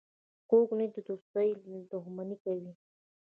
کوږ نیت د دوستۍ دښمني کوي